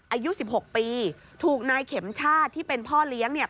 อายุสิบหกปีถูกนายเข็มชาติที่เป็นพ่อเลี้ยงเนี่ย